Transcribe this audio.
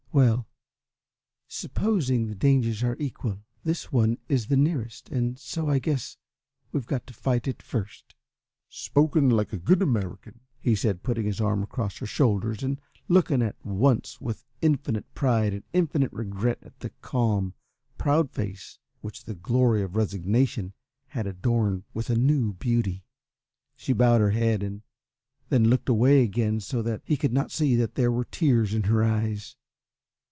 Well, supposing the dangers are equal, this one is the nearest, and so I guess we've got to fight it first." "Spoken like a good American!" he said, putting his arm across her shoulders and looking at once with infinite pride and infinite regret at the calm, proud face which the glory of resignation had adorned with a new beauty. She bowed her head and then looked away again so that he should not see that there were tears in her eyes.